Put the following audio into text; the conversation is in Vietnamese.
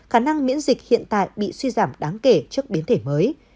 khả năng miễn dịch hiện tại bị suy giảm đáng kể trước biến thể mới